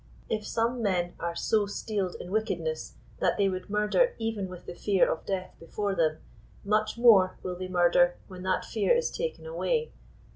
If some men are so steeled in wickedness that they would murder even with the fear of death before them, much more will they murder when that fear is taken away."